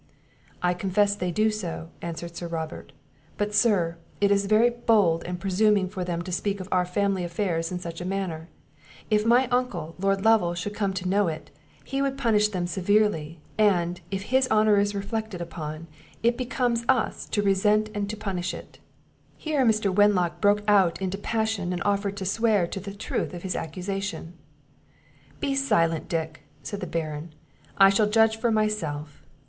"I confess they do so," answered Sir Robert; "but, sir, it is very bold and presuming for them to speak of our family affairs in such a manner; if my uncle, Lord Lovel, should come to know it, he would punish them severely; and, if his honour is reflected upon, it becomes us to resent and to punish it." Here Mr. Wenlock broke out into passion, and offered to swear to the truth of his accusation. "Be silent, Dick," said the Baron; "I shall judge for myself.